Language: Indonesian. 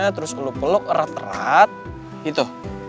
terus lo peluk rat rat gitu